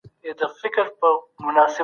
که انټرنېټ باثباته وي، اړیکه نه پرې کيږي.